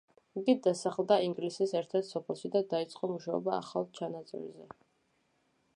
იგი დასახლდა ინგლისის ერთ-ერთ სოფელში და დაიწყო მუშაობა ახალ ჩანაწერზე.